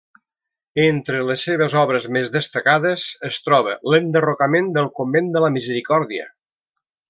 Entre les seves obres més destacades es troba l'enderrocament del convent de la Misericòrdia.